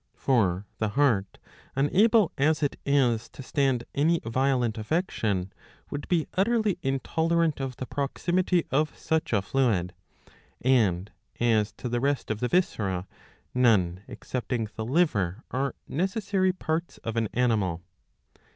For the heart, unable as it is to stand any violent affection,'^ would be utterly intolerant of the proximity of such a fluid ; and, as to the rest of the viscera, none excepting the liver are necessary parts of an animal.'